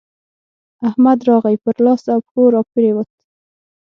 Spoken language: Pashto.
احمد راغی؛ پر لاس او پښو راپرېوت.